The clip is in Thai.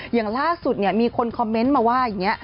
อย่างล่าสุดมีคนคอมเมนต์มาว่าอย่างนี้